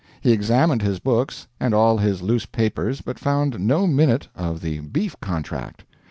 He examined his books and all his loose papers, but found no minute of the beef contract.